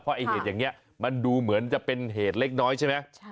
ไอ้เหตุอย่างนี้มันดูเหมือนจะเป็นเหตุเล็กน้อยใช่ไหม